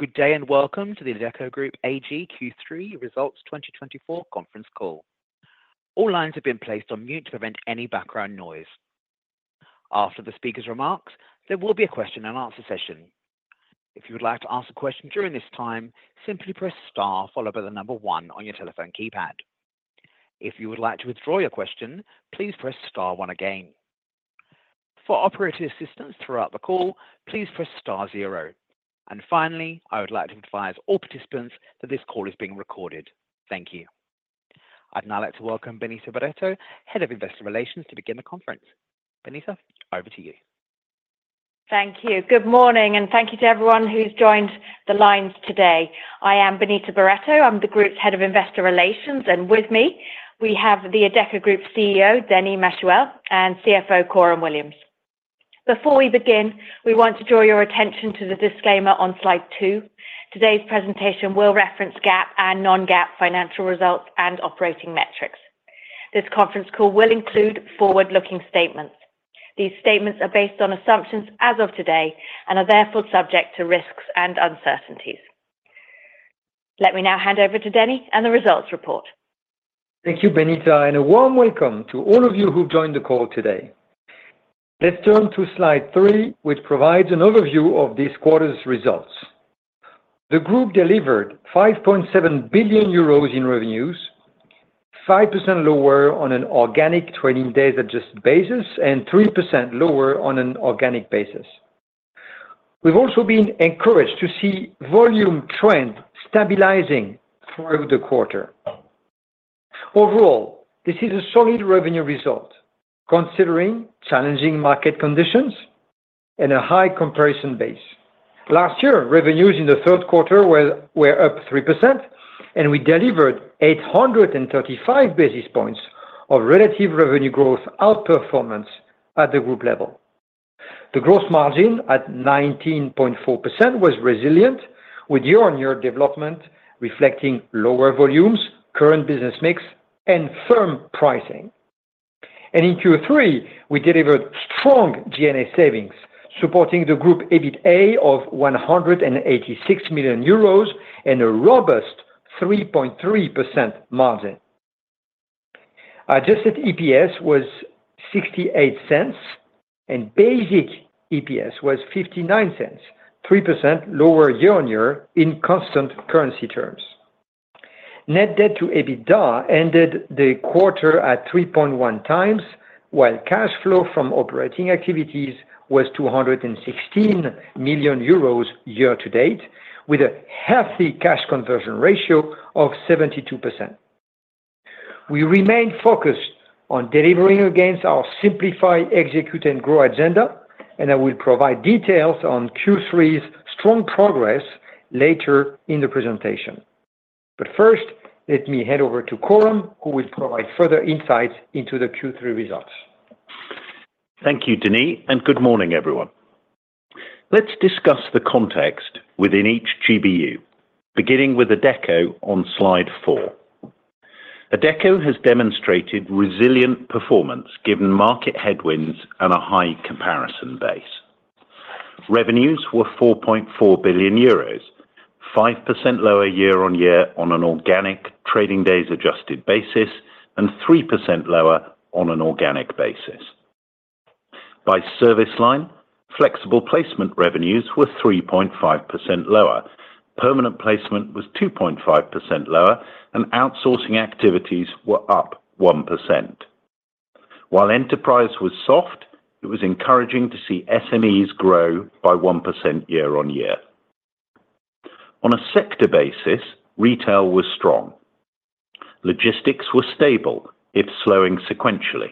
Good day and welcome to the Adecco Group AG Q3 Results 2024 conference call. All lines have been placed on mute to prevent any background noise. After the speaker's remarks, there will be a question and answer session. If you would like to ask a question during this time, simply press star followed by the number one on your telephone keypad. If you would like to withdraw your question, please press star one again. For operator assistance throughout the call, please press star zero. And finally, I would like to advise all participants that this call is being recorded. Thank you. I'd now like to welcome Benita Barretto, Head of Investor Relations, to begin the conference. Benita, over to you. Thank you. Good morning, and thank you to everyone who's joined the lines today. I am Benita Barretto. I'm the Group's Head of Investor Relations, and with me we have the Adecco Group CEO, Denis Machuel, and CFO, Coram Williams. Before we begin, we want to draw your attention to the disclaimer on slide two. Today's presentation will reference GAAP and non-GAAP financial results and operating metrics. This conference call will include forward-looking statements. These statements are based on assumptions as of today and are therefore subject to risks and uncertainties. Let me now hand over to Denis and the results report. Thank you, Benita, and a warm welcome to all of you who've joined the call today. Let's turn to slide three, which provides an overview of this quarter's results. The Group delivered 5.7 billion euros in revenues, 5% lower on an organic trading day-adjusted basis and 3% lower on an organic basis. We've also been encouraged to see volume trends stabilizing throughout the quarter. Overall, this is a solid revenue result considering challenging market conditions and a high comparison base. Last year, revenues in the third quarter were up 3%, and we delivered 835 basis points of relative revenue growth outperformance at the Group level. The gross margin at 19.4% was resilient, with year-on-year development reflecting lower volumes, current business mix, and firm pricing, and in Q3, we delivered strong SG&A savings, supporting the Group EBITDA of 186 million euros and a robust 3.3% margin. Adjusted EPS was $0.68, and basic EPS was $0.59, 3% lower year-on-year in constant currency terms. Net debt to EBITDA ended the quarter at 3.1 times, while cash flow from operating activities was 216 million euros year-to-date, with a healthy cash conversion ratio of 72%. We remain focused on delivering against our Simplify, Execute, and Grow agenda, and I will provide details on Q3's strong progress later in the presentation. But first, let me hand over to Coram, who will provide further insights into the Q3 results. Thank you, Denis, and good morning, everyone. Let's discuss the context within each GBU, beginning with Adecco on slide four. Adecco has demonstrated resilient performance given market headwinds and a high comparison base. Revenues were 4.4 billion euros, 5% lower year-on-year on an organic trading days-adjusted basis and 3% lower on an organic basis. By service line, flexible placement revenues were 3.5% lower, permanent placement was 2.5% lower, and outsourcing activities were up 1%. While enterprise was soft, it was encouraging to see SMEs grow by 1% year-on-year. On a sector basis, retail was strong. Logistics were stable, if slowing sequentially.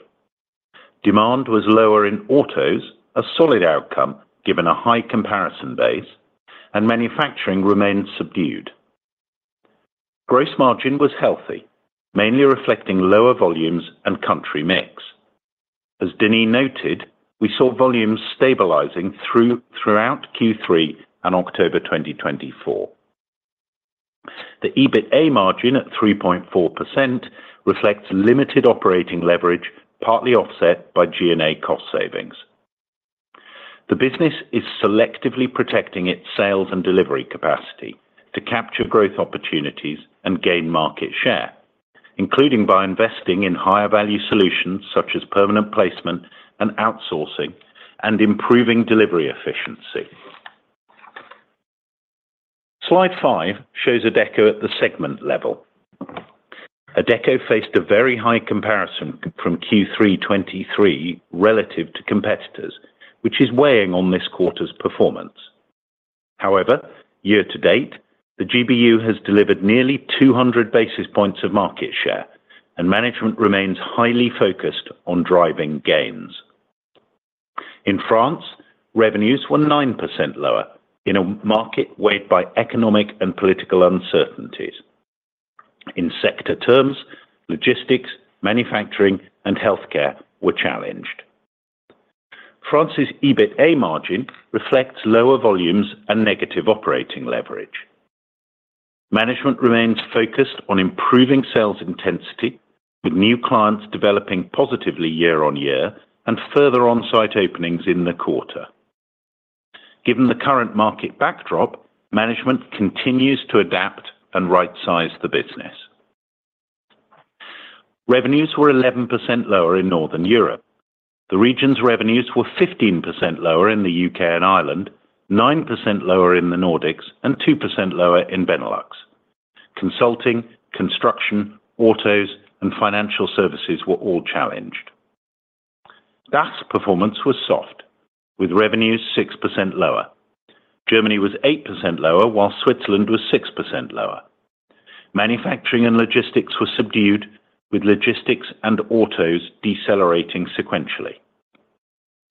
Demand was lower in autos, a solid outcome given a high comparison base, and manufacturing remained subdued. Gross margin was healthy, mainly reflecting lower volumes and country mix. As Denis noted, we saw volumes stabilizing throughout Q3 and October 2024. The EBITA margin at 3.4% reflects limited operating leverage, partly offset by G&A cost savings. The business is selectively protecting its sales and delivery capacity to capture growth opportunities and gain market share, including by investing in higher-value solutions such as permanent placement and outsourcing and improving delivery efficiency. Slide five shows Adecco at the segment level. Adecco faced a very high comparison from Q3 2023 relative to competitors, which is weighing on this quarter's performance. However, year-to-date, the GBU has delivered nearly 200 basis points of market share, and management remains highly focused on driving gains. In France, revenues were 9% lower in a market weighed by economic and political uncertainties. In sector terms, logistics, manufacturing, and healthcare were challenged. France's EBITA margin reflects lower volumes and negative operating leverage. Management remains focused on improving sales intensity, with new clients developing positively year-on-year and further on-site openings in the quarter. Given the current market backdrop, management continues to adapt and right-size the business. Revenues were 11% lower in Northern Europe. The region's revenues were 15% lower in the UK and Ireland, 9% lower in the Nordics, and 2% lower in Benelux. Consulting, construction, autos, and financial services were all challenged. DACH's performance was soft, with revenues 6% lower. Germany was 8% lower, while Switzerland was 6% lower. Manufacturing and logistics were subdued, with logistics and autos decelerating sequentially.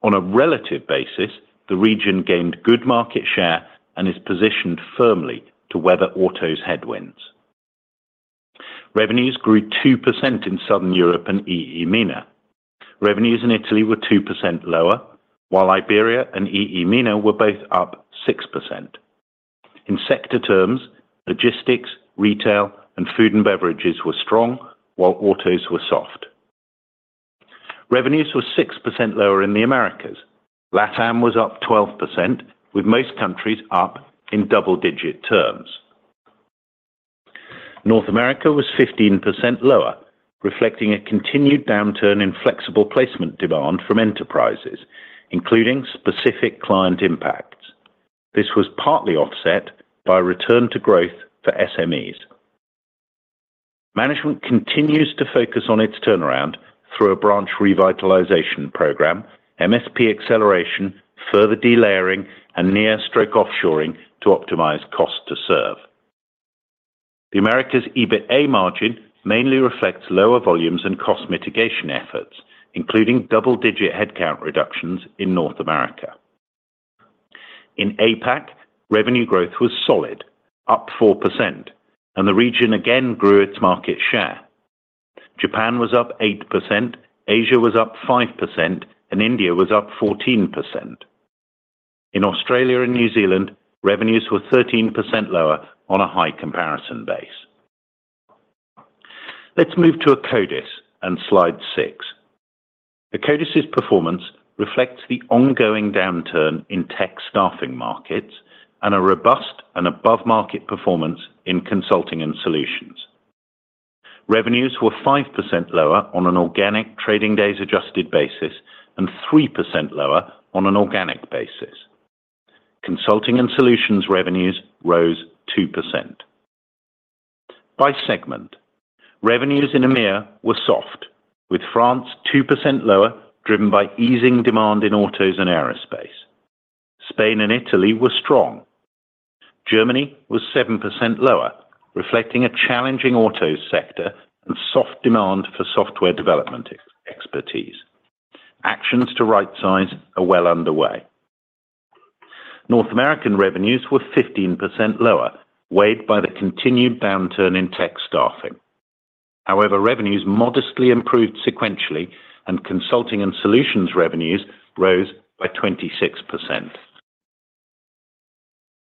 On a relative basis, the region gained good market share and is positioned firmly to weather autos' headwinds. Revenues grew 2% in Southern Europe and EEMENA. Revenues in Italy were 2% lower, while Iberia and EEMENA were both up 6%. In sector terms, logistics, retail, and food and beverages were strong, while autos were soft. Revenues were 6% lower in the Americas. LATAM was up 12%, with most countries up in double-digit terms. North America was 15% lower, reflecting a continued downturn in flexible placement demand from enterprises, including specific client impacts. This was partly offset by return to growth for SMEs. Management continues to focus on its turnaround through a branch revitalization program, MSP acceleration, further delayering, and near-shore offshoring to optimize cost to serve. The Americas' EBITA margin mainly reflects lower volumes and cost mitigation efforts, including double-digit headcount reductions in North America. In APAC, revenue growth was solid, up 4%, and the region again grew its market share. Japan was up 8%, Asia was up 5%, and India was up 14%. In Australia and New Zealand, revenues were 13% lower on a high comparison base. Let's move to Akkodis and slide six. Akkodis's performance reflects the ongoing downturn in tech staffing markets and a robust and above-market performance in consulting and solutions. Revenues were 5% lower on an organic trading days-adjusted basis and 3% lower on an organic basis. Consulting and solutions revenues rose 2%. By segment, revenues in EMEA were soft, with France 2% lower, driven by easing demand in autos and aerospace. Spain and Italy were strong. Germany was 7% lower, reflecting a challenging auto sector and soft demand for software development expertise. Actions to right-size are well underway. North American revenues were 15% lower, weighed by the continued downturn in tech staffing. However, revenues modestly improved sequentially, and consulting and solutions revenues rose by 26%.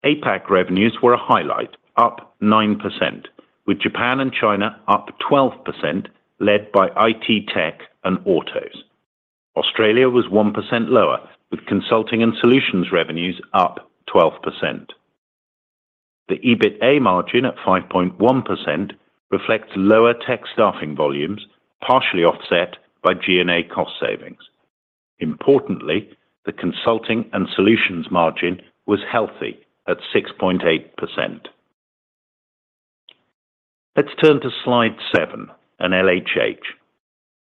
APAC revenues were a highlight, up 9%, with Japan and China up 12%, led by IT tech and autos. Australia was 1% lower, with consulting and solutions revenues up 12%. The EBITA margin at 5.1% reflects lower tech staffing volumes, partially offset by G&A cost savings. Importantly, the consulting and solutions margin was healthy at 6.8%. Let's turn to slide seven and LHH.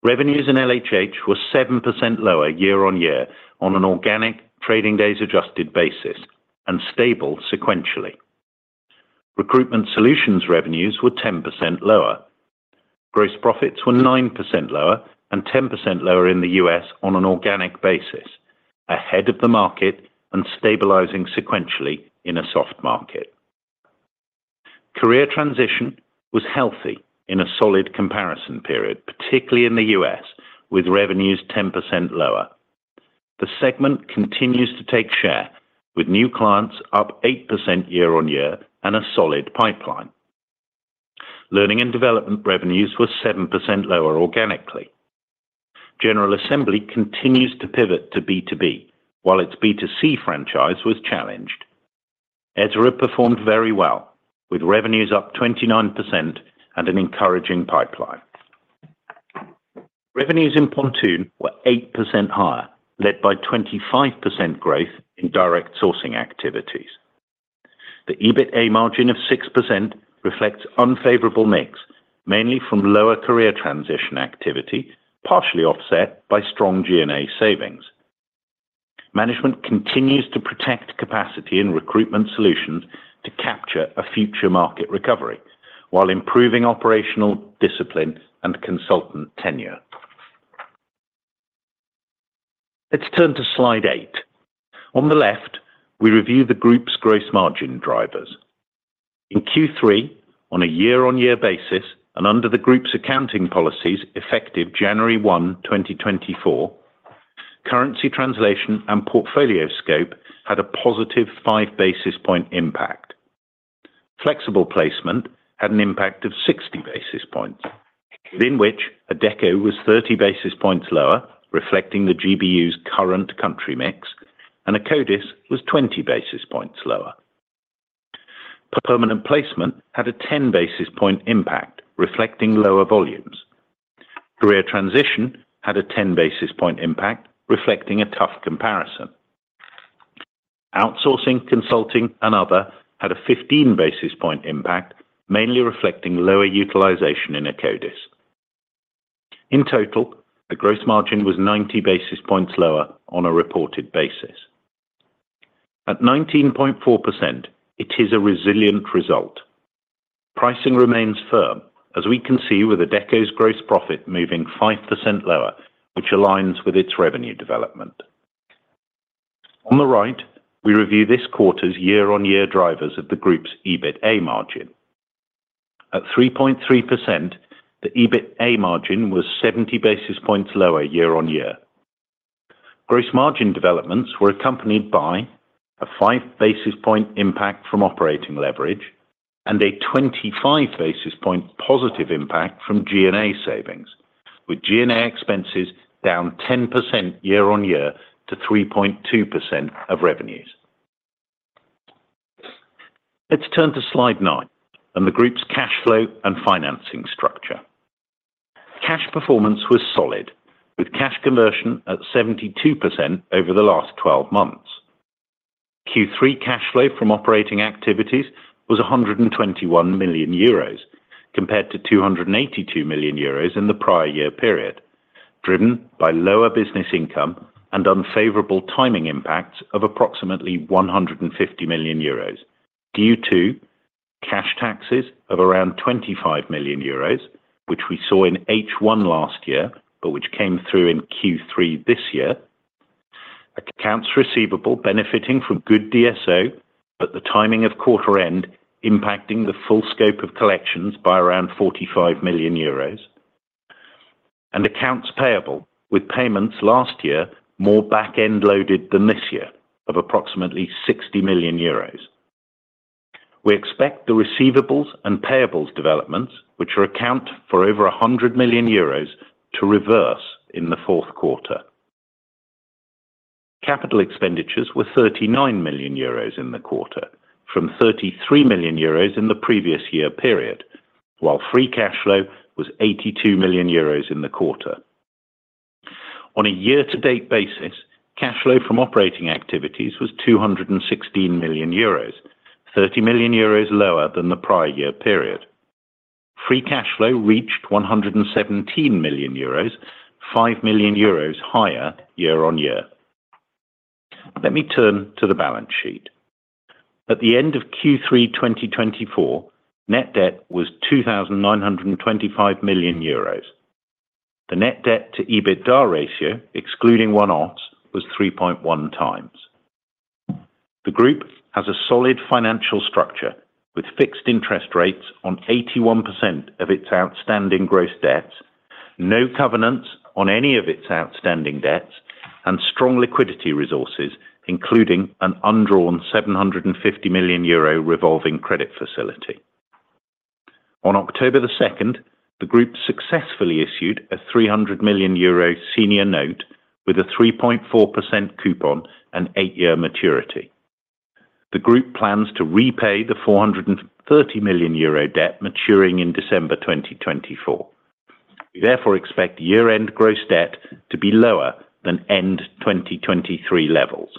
Revenues in LHH were 7% lower year-on-year on an organic trading days-adjusted basis and stable sequentially. Recruitment solutions revenues were 10% lower. Gross profits were 9% lower and 10% lower in the U.S. on an organic basis, ahead of the market and stabilizing sequentially in a soft market. Career transition was healthy in a solid comparison period, particularly in the U.S., with revenues 10% lower. The segment continues to take share, with new clients up 8% year-on-year and a solid pipeline. Learning and development revenues were 7% lower organically. General Assembly continues to pivot to B2B, while its B2C franchise was challenged. Ezra performed very well, with revenues up 29% and an encouraging pipeline. Revenues in Pontoon were 8% higher, led by 25% growth in direct sourcing activities. The EBITA margin of 6% reflects unfavorable mix, mainly from lower career transition activity, partially offset by strong G&A savings. Management continues to protect capacity in recruitment solutions to capture a future market recovery, while improving operational discipline and consultant tenure. Let's turn to slide eight. On the left, we review the Group's gross margin drivers. In Q3, on a year-on-year basis and under the Group's accounting policies effective January 1, 2024, currency translation and portfolio scope had a positive 5 basis point impact. Flexible placement had an impact of 60 basis points, within which Adecco was 30 basis points lower, reflecting the GBU's current country mix, and Akkodis was 20 basis points lower. Permanent placement had a 10 basis point impact, reflecting lower volumes. Career transition had a 10 basis point impact, reflecting a tough comparison. Outsourcing, consulting, and other had a 15 basis point impact, mainly reflecting lower utilization in Akkodis. In total, the gross margin was 90 basis points lower on a reported basis. At 19.4%, it is a resilient result. Pricing remains firm, as we can see with Adecco's gross profit moving 5% lower, which aligns with its revenue development. On the right, we review this quarter's year-on-year drivers of the Group's EBITA margin. At 3.3%, the EBITA margin was 70 basis points lower year-on-year. Gross margin developments were accompanied by a 5 basis point impact from operating leverage and a 25 basis point positive impact from G&A savings, with G&A expenses down 10% year-on-year to 3.2% of revenues. Let's turn to slide nine and the Group's cash flow and financing structure. Cash performance was solid, with cash conversion at 72% over the last 12 months. Q3 cash flow from operating activities was 121 million euros compared to 282 million euros in the prior year period, driven by lower business income and unfavorable timing impacts of approximately 150 million euros due to cash taxes of around 25 million euros, which we saw in H1 last year but which came through in Q3 this year. Accounts receivable benefiting from good DSO, but the timing of quarter-end impacting the full scope of collections by around 45 million euros, and accounts payable with payments last year more back-end loaded than this year of approximately 60 million euros. We expect the receivables and payables developments, which account for over 100 million euros, to reverse in the fourth quarter. Capital expenditures were 39 million euros in the quarter, from 33 million euros in the previous year period, while free cash flow was 82 million euros in the quarter. On a year-to-date basis, cash flow from operating activities was 216 million euros, 30 million euros lower than the prior year period. Free cash flow reached 117 million euros, 5 million euros higher year-on-year. Let me turn to the balance sheet. At the end of Q3 2024, net debt was 2,925 million euros. The net debt to EBITDA ratio, excluding one-offs, was 3.1 times. The Group has a solid financial structure with fixed interest rates on 81% of its outstanding gross debts, no covenants on any of its outstanding debts, and strong liquidity resources, including an undrawn 750 million euro revolving credit facility. On October the 2nd, the Group successfully issued a 300 million euro senior note with a 3.4% coupon and eight-year maturity. The Group plans to repay the 430 million euro debt maturing in December 2024. We therefore expect year-end gross debt to be lower than end 2023 levels.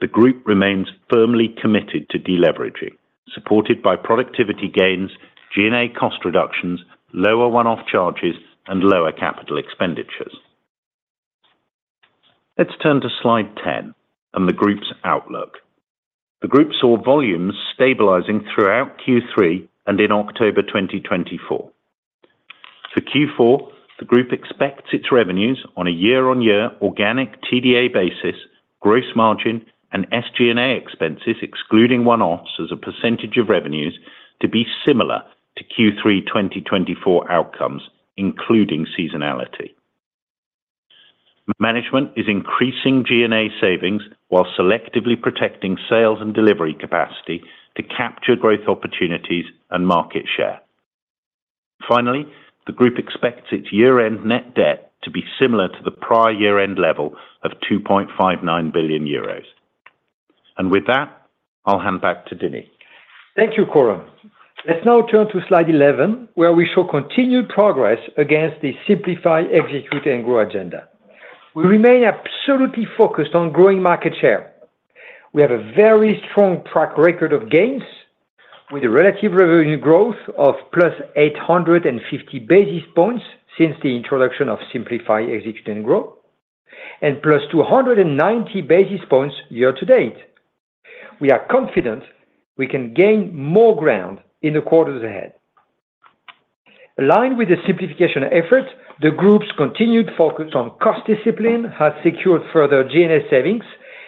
The Group remains firmly committed to deleveraging, supported by productivity gains, G&A cost reductions, lower one-off charges, and lower capital expenditures. Let's turn to slide ten and the Group's outlook. The Group saw volumes stabilizing throughout Q3 and in October 2024. For Q4, the Group expects its revenues on a year-on-year organic TDA basis, gross margin, and SG&A expenses, excluding one-offs as a percentage of revenues, to be similar to Q3 2024 outcomes, including seasonality. Management is increasing G&A savings while selectively protecting sales and delivery capacity to capture growth opportunities and market share. Finally, the Group expects its year-end net debt to be similar to the prior year-end level of 2.59 billion euros. And with that, I'll hand back to Denis. Thank you, Coram. Let's now turn to slide 11, where we show continued progress against the Simplify, Execute, and Grow agenda. We remain absolutely focused on growing market share. We have a very strong track record of gains, with a relative revenue growth of plus 850 basis points since the introduction of Simplify, Execute, and Grow, and plus 290 basis points year-to-date. We are confident we can gain more ground in the quarters ahead. Aligned with the simplification effort, the Group's continued focus on cost discipline has secured further G&A savings,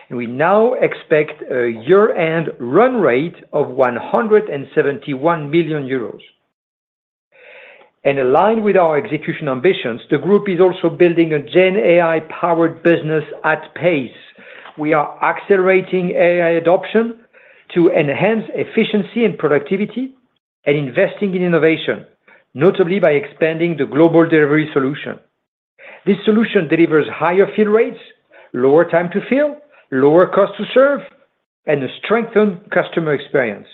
and we now expect a year-end run rate of 171 million euros, and aligned with our execution ambitions, the Group is also building a GenAI-powered business at pace. We are accelerating AI adoption to enhance efficiency and productivity and investing in innovation, notably by expanding the global delivery solution. This solution delivers higher fill rates, lower time to fill, lower cost to serve, and a strengthened customer experience,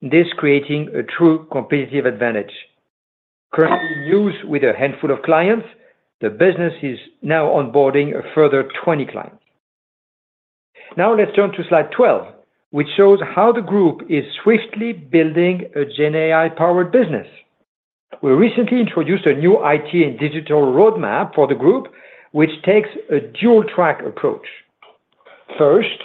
thus creating a true competitive advantage. Currently in use with a handful of clients, the business is now onboarding a further 20 clients. Now let's turn to slide 12, which shows how the Group is swiftly building a GenAI-powered business. We recently introduced a new IT and digital roadmap for the Group, which takes a dual-track approach. First,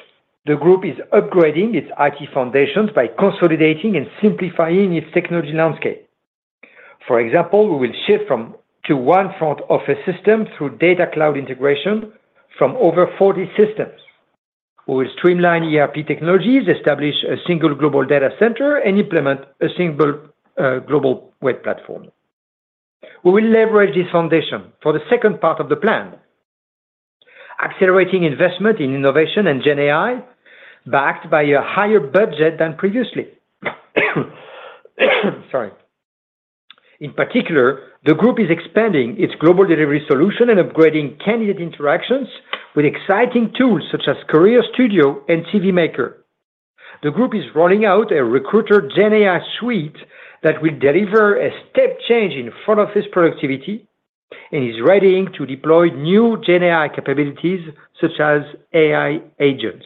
the Group is upgrading its IT foundations by consolidating and simplifying its technology landscape. For example, we will shift to one front-office system through data cloud integration from over 40 systems. We will streamline ERP technologies, establish a single global data center, and implement a single global web platform. We will leverage this foundation for the second part of the plan, accelerating investment in innovation and GenAI backed by a higher budget than previously. In particular, the Group is expanding its Global Delivery Solution and upgrading candidate interactions with exciting tools such as Career Studio and CV Maker. The Group is rolling out a Recruiter GenAI Suite that will deliver a step change in front-office productivity and is ready to deploy new GenAI capabilities such as AI agents.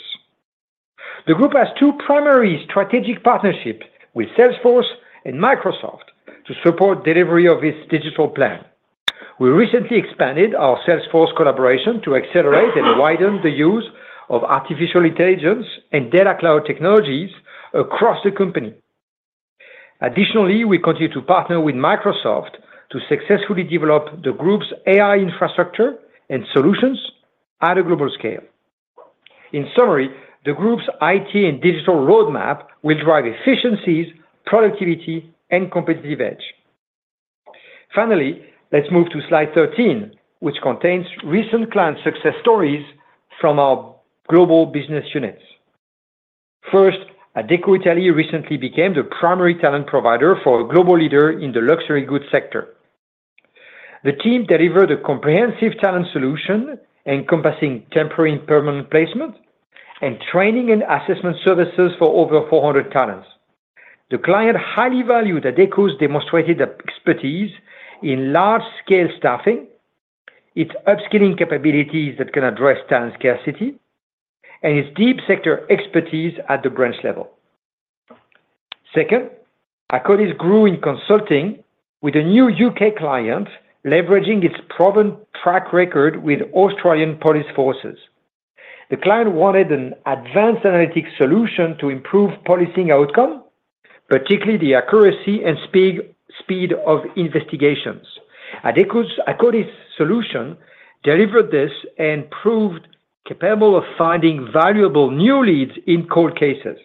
The Group has two primary strategic partnerships with Salesforce and Microsoft to support the delivery of its digital plan. We recently expanded our Salesforce collaboration to accelerate and widen the use of artificial intelligence and data cloud technologies across the company. Additionally, we continue to partner with Microsoft to successfully develop the Group's AI infrastructure and solutions at a global scale. In summary, the Group's IT and digital roadmap will drive efficiencies, productivity, and competitive edge. Finally, let's move to slide 13, which contains recent client success stories from our global business units. First, Adecco Italy recently became the primary talent provider for a global leader in the luxury goods sector. The team delivered a comprehensive talent solution encompassing temporary and permanent placement and training and assessment services for over 400 talents. The client highly valued Adecco's demonstrated expertise in large-scale staffing, its upskilling capabilities that can address talent scarcity, and its deep sector expertise at the branch level. Second, Akkodis grew in consulting with a new UK client, leveraging its proven track record with Australian police forces. The client wanted an advanced analytic solution to improve policing outcome, particularly the accuracy and speed of investigations. Akkodis's Akkodis solution delivered this and proved capable of finding valuable new leads in cold cases.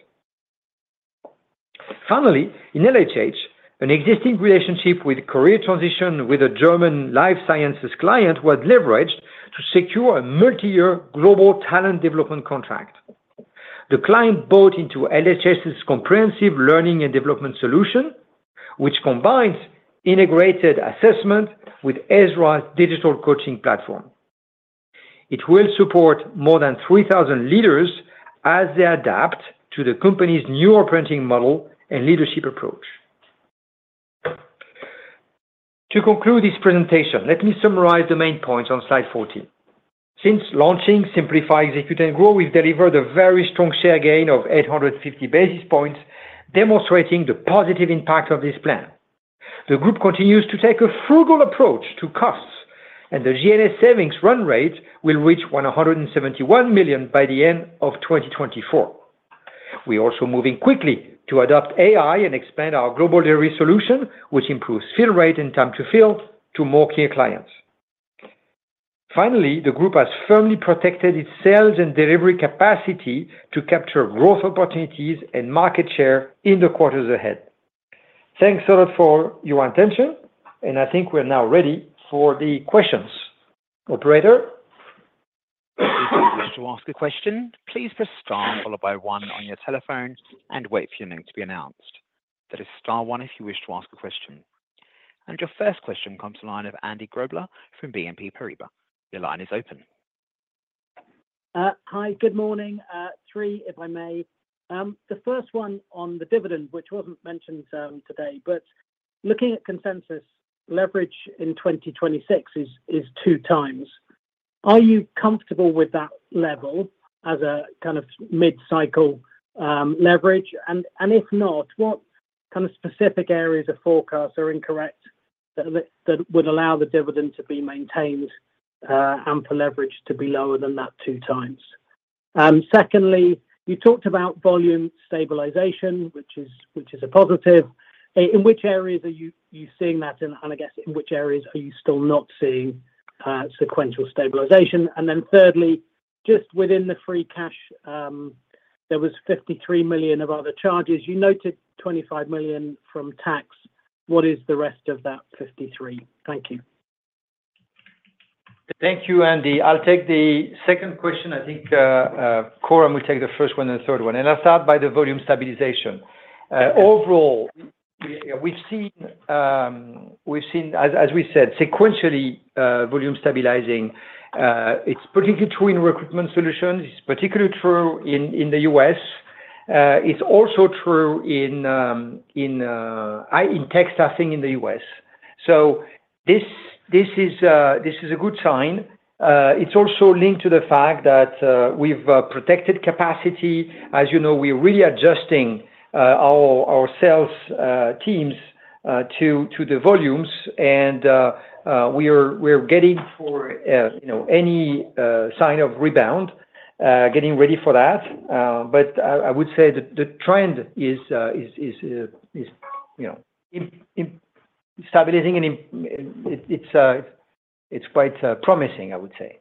Finally, in LHH, an existing relationship with Career Transition, with a German life sciences client, was leveraged to secure a multi-year global talent development contract. The client bought into LHH's comprehensive learning and development solution, which combines integrated assessment with Ezra's digital coaching platform. It will support more than 3,000 leaders as they adapt to the company's new operating model and leadership approach. To conclude this presentation, let me summarize the main points on slide 14. Since launching Simplify, Execute, and Grow, we've delivered a very strong share gain of 850 basis points, demonstrating the positive impact of this plan. The Group continues to take a frugal approach to costs, and the G&A savings run rate will reach 171 million by the end of 2024. We are also moving quickly to adopt AI and expand our global delivery solution, which improves fill rate and time to fill to more key clients. Finally, the Group has firmly protected its sales and delivery capacity to capture growth opportunities and market share in the quarters ahead. Thanks a lot for your attention, and I think we're now ready for the questions. Operator. If you wish to ask a question, please press star followed by one on your telephone and wait for your name to be announced. That is star one if you wish to ask a question. And your first question comes to the line of Andy Grobler from BNP Paribas. Your line is open. Hi, good morning. Three, if I may. The first one on the dividend, which wasn't mentioned today, but looking at consensus, leverage in 2026 is two times. Are you comfortable with that level as a kind of mid-cycle leverage? And if not, what kind of specific areas of forecast are incorrect that would allow the dividend to be maintained and for leverage to be lower than that two times? Secondly, you talked about volume stabilization, which is a positive. In which areas are you seeing that? And I guess, in which areas are you still not seeing sequential stabilization? And then thirdly, just within the free cash, there was 53 million of other charges. You noted 25 million from tax. What is the rest of that 53? Thank you. Thank you, Andy. I'll take the second question. I think Coram will take the first one and the third one. And I'll start by the volume stabilization. Overall, we've seen, as we said, sequentially volume stabilizing. It's particularly true in recruitment solutions. It's particularly true in the US. It's also true in tech staffing in the U.S. So this is a good sign. It's also linked to the fact that we've protected capacity. As you know, we're really adjusting our sales teams to the volumes, and we're getting for any sign of rebound, getting ready for that. But I would say the trend is stabilizing, and it's quite promising, I would say.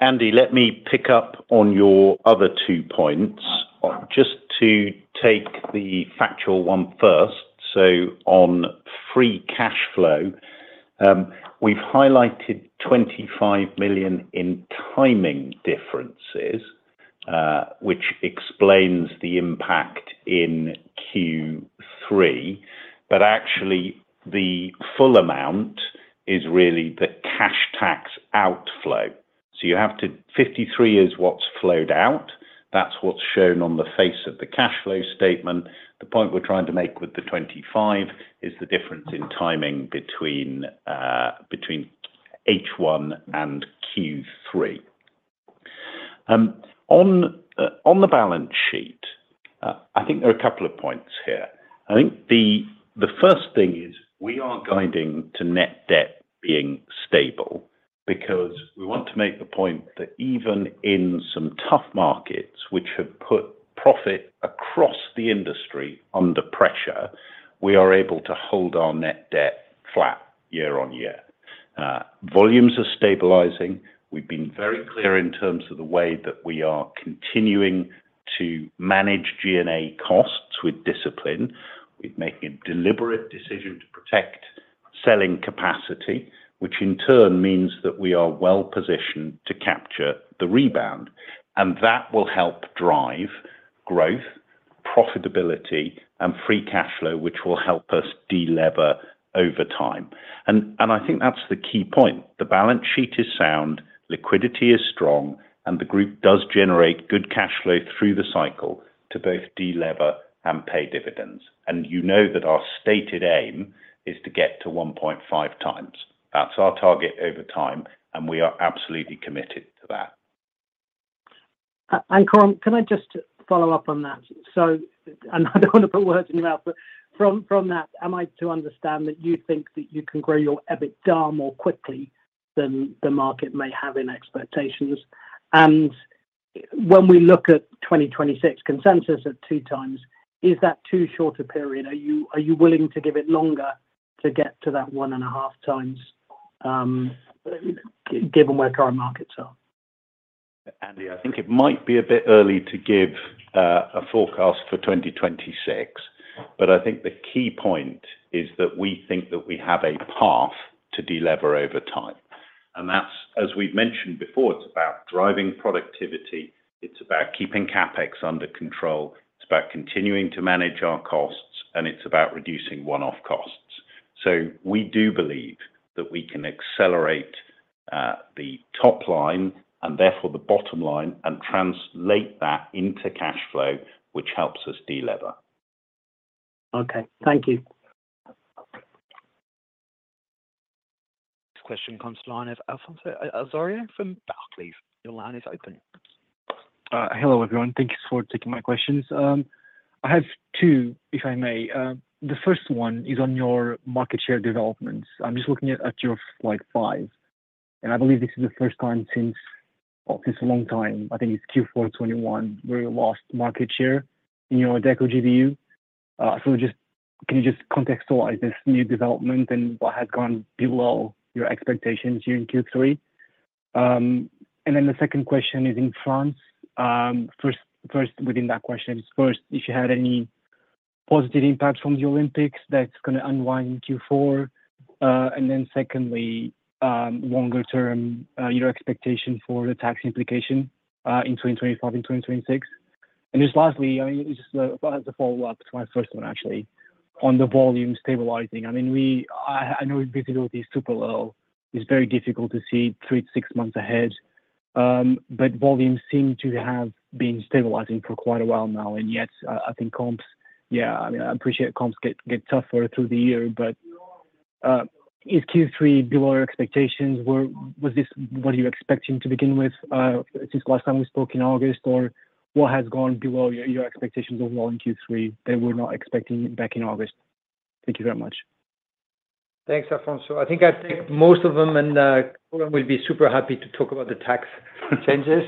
Andy, let me pick up on your other two points. Just to take the factual one first. So on free cash flow, we've highlighted €25 million in timing differences, which explains the impact in Q3. But actually, the full amount is really the cash tax outflow. So the €53 is what's flowed out. That's what's shown on the face of the cash flow statement. The point we're trying to make with the €25 is the difference in timing between H1 and Q3. On the balance sheet, I think there are a couple of points here. I think the first thing is we are guiding to net debt being stable because we want to make the point that even in some tough markets, which have put profit across the industry under pressure, we are able to hold our net debt flat year on year. Volumes are stabilizing. We've been very clear in terms of the way that we are continuing to manage G&A costs with discipline. We've made a deliberate decision to protect selling capacity, which in turn means that we are well positioned to capture the rebound. And that will help drive growth, profitability, and free cash flow, which will help us delever over time. And I think that's the key point. The balance sheet is sound, liquidity is strong, and the Group does generate good cash flow through the cycle to both delever and pay dividends. And you know that our stated aim is to get to 1.5 times. That's our target over time, and we are absolutely committed to that. And Coram, can I just follow up on that? And I don't want to put words in your mouth, but from that, am I to understand that you think that you can grow your EBITDA more quickly than the market may have in expectations? And when we look at 2026, consensus at two times, is that too short a period? Are you willing to give it longer to get to that one and a half times, given where current markets are? Andy, I think it might be a bit early to give a forecast for 2026, but I think the key point is that we think that we have a path to delever over time. And as we've mentioned before, it's about driving productivity. It's about keeping CapEx under control. It's about continuing to manage our costs, and it's about reducing one-off costs. So we do believe that we can accelerate the top line and therefore the bottom line and translate that into cash flow, which helps us delever. Okay. Thank you. This question comes to the line of Alfonso Azarre from Barclays. Your line is open. Hello everyone. Thank you for taking my questions. I have two, if I may. The first one is on your market share developments. I'm just looking at your five. I believe this is the first time since a long time. I think it's Q4 2021, where you lost market share in your Adecco GBU. So can you just contextualize this new development and what has gone below your expectations here in Q3? And then the second question is in France. First, within that question, first, if you had any positive impact from the Olympics that's going to unwind in Q4? And then secondly, longer-term expectation for the tax implication in 2025 and 2026? And just lastly, just as a follow-up to my first one, actually, on the volume stabilizing. I mean, I know visibility is super low. It's very difficult to see three-to-six months ahead. But volumes seem to have been stabilizing for quite a while now. Yet, I think comps, yeah. I appreciate comps get tougher through the year, but is Q3 below your expectations? Was this what you were expecting to begin with since last time we spoke in August, or what has gone below your expectations overall in Q3 that we're not expecting back in August? Thank you very much. Thanks, Alfonso. I think most of them, and Coram will be super happy to talk about the tax changes.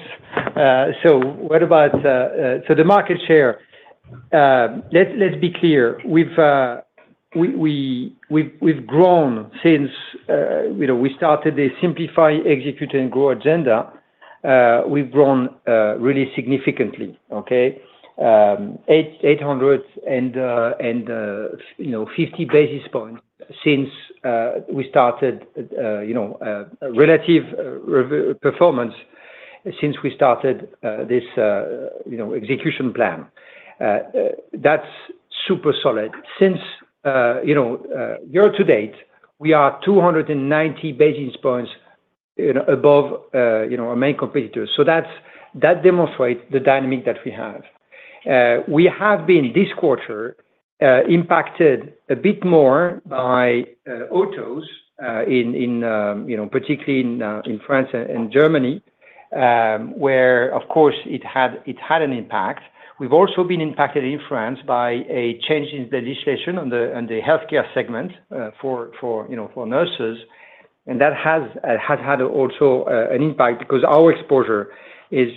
What about the market share? Let's be clear. We've grown since we started the Simplify, Execute, and Grow agenda. We've grown really significantly, okay? 850 basis points since we started relative performance since we started this execution plan. That's super solid. Since year to date, we are 290 basis points above our main competitor. That demonstrates the dynamic that we have. We have been this quarter impacted a bit more by autos, particularly in France and Germany, where, of course, it had an impact. We've also been impacted in France by a change in the legislation on the healthcare segment for nurses, and that has had also an impact because our exposure is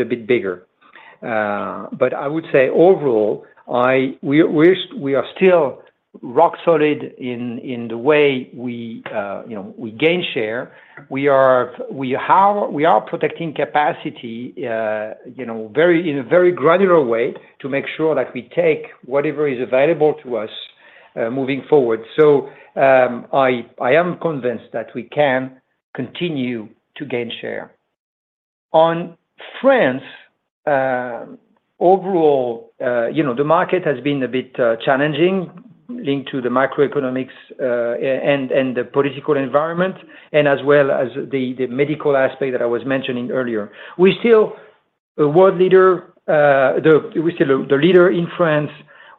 a bit bigger, but I would say overall, we are still rock solid in the way we gain share. We are protecting capacity in a very granular way to make sure that we take whatever is available to us moving forward, so I am convinced that we can continue to gain share. On France, overall, the market has been a bit challenging linked to the macroeconomics and the political environment, and as well as the medical aspect that I was mentioning earlier. We're still a world leader. We're still the leader in France.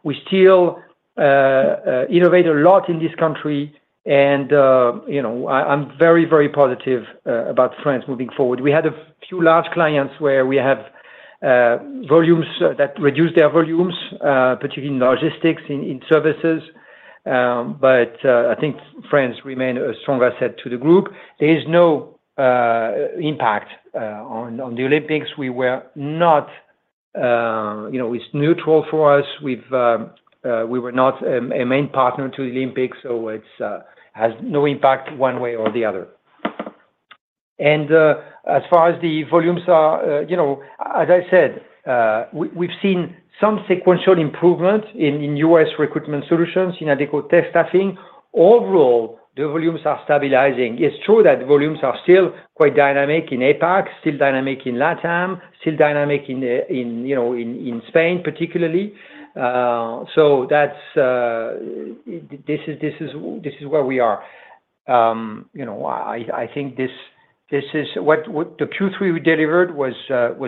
We still innovate a lot in this country, and I'm very, very positive about France moving forward. We had a few large clients where we have volumes that reduce their volumes, particularly in logistics, in services, but I think France remains a strong asset to the Group. There is no impact on the Olympics. We're not. It's neutral for us. We were not a main partner to the Olympics, so it has no impact one way or the other, and as far as the volumes are, as I said, we've seen some sequential improvement in US recruitment solutions, in Adecco tech staffing. Overall, the volumes are stabilizing. It's true that volumes are still quite dynamic in APAC, still dynamic in LATAM, still dynamic in Spain, particularly, so this is where we are. I think this is what the Q3 we delivered was,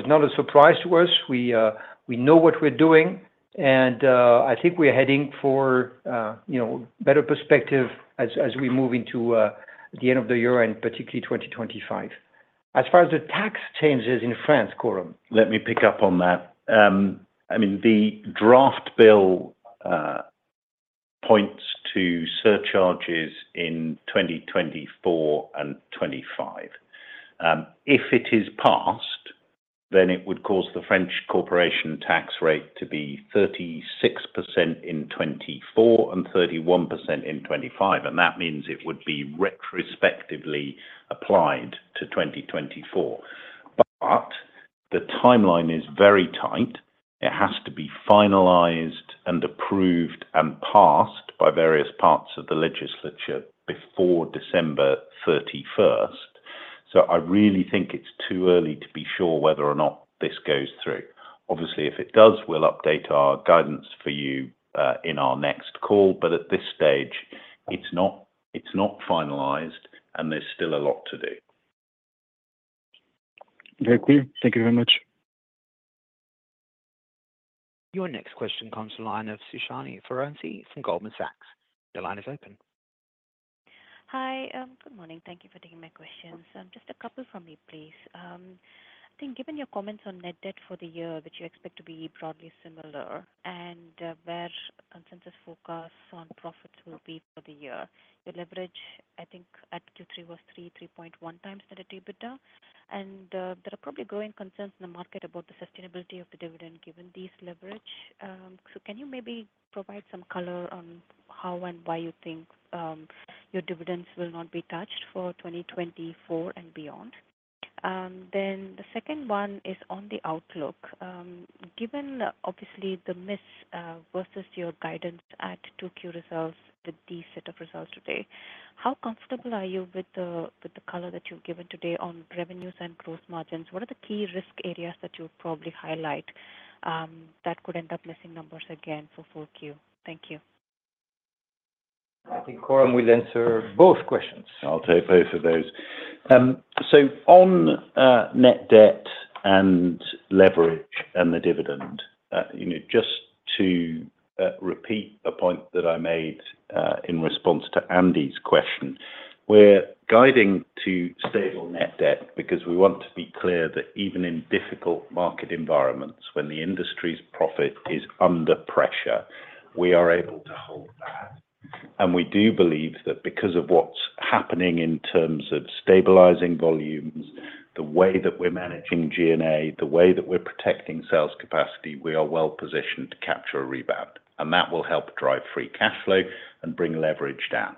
not a surprise to us. We know what we're doing, and I think we're heading for better perspective as we move into the end of the year and particularly 2025. As far as the tax changes in France, Coram? Let me pick up on that. I mean, the draft bill points to surcharges in 2024 and 2025. If it is passed, then it would cause the French corporation tax rate to be 36% in 2024 and 31% in 2025, and that means it would be retrospectively applied to 2024, but the timeline is very tight. It has to be finalized and approved and passed by various parts of the legislature before December 31st, so I really think it's too early to be sure whether or not this goes through. Obviously, if it does, we'll update our guidance for you in our next call. But at this stage, it's not finalized, and there's still a lot to do. Very clear. Thank you very much. Your next question comes to the line of Suhasini Varanasi from Goldman Sachs. The line is open. Hi. Good morning. Thank you for taking my questions. Just a couple from me, please. I think given your comments on net debt for the year, which you expect to be broadly similar and where consensus forecasts on profits will be for the year, your leverage, I think at Q3 was 3.1 times net EBITDA. And there are probably growing concerns in the market about the sustainability of the dividend given this leverage. So can you maybe provide some color on how and why you think your dividends will not be touched for 2024 and beyond? Then the second one is on the outlook. Given obviously the miss versus your guidance at 2Q results with these set of results today, how comfortable are you with the color that you've given today on revenues and gross margins? What are the key risk areas that you would probably highlight that could end up missing numbers again for 4Q? Thank you. I think Coram will answer both questions. I'll take both of those. So on net debt and leverage and the dividend, just to repeat a point that I made in response to Andy's question, we're guiding to stable net debt because we want to be clear that even in difficult market environments, when the industry's profit is under pressure, we are able to hold that. We do believe that because of what's happening in terms of stabilizing volumes, the way that we're managing SG&A, the way that we're protecting sales capacity, we are well positioned to capture a rebound. And that will help drive free cash flow and bring leverage down.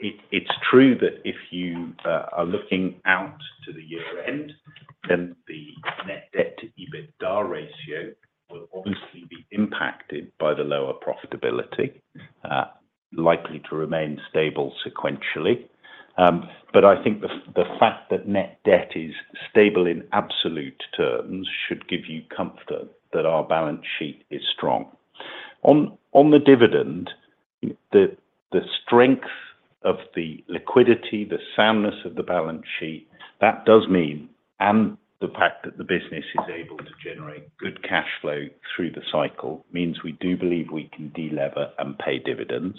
It's true that if you are looking out to the year-end, then the net debt to EBITDA ratio will obviously be impacted by the lower profitability, likely to remain stable sequentially. But I think the fact that net debt is stable in absolute terms should give you comfort that our balance sheet is strong. On the dividend, the strength of the liquidity, the soundness of the balance sheet, that does mean, and the fact that the business is able to generate good cash flow through the cycle means we do believe we can delever and pay dividends.